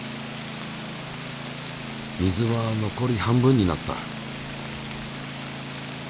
水は残り半分になった。